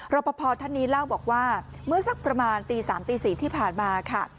รอปภท่านนี้เล่าบอกว่าเมื่อสักประมาณตี๓ตี๔ที่ผ่านมาค่ะ